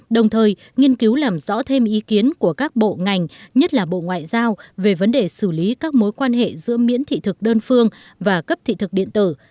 đồng thời nghiên cứu làm rõ thêm ý kiến của các bộ ngành nhất là bộ ngoại giao về vấn đề xử lý các mối quan hệ giữa miễn thị thực đơn phương và cấp thị thực điện tử